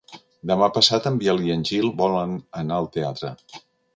Demà passat en Biel i en Gil volen anar al teatre.